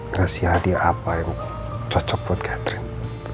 kasih hadiah apa yang cocok buat catherine